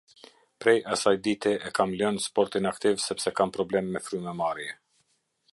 Prej asaj dite e kam lënë sportin aktiv sepse kam problem me frymëmarrje.